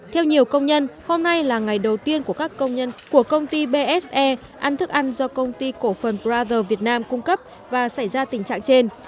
theo nhiều công nhân hôm nay là ngày đầu tiên của các công nhân của công ty bse ăn thức ăn do công ty cổ phần prote việt nam cung cấp và xảy ra tình trạng trên